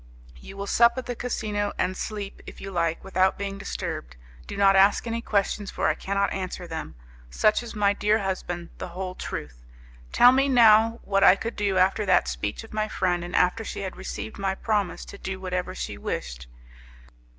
You will sup at the casino, and sleep, if you like, without being disturbed. Do not ask any questions, for I cannot answer them. Such is, my dear husband, the whole truth. Tell me now what I could do after that speech of my friend, and after she had received my promise to do whatever she wished.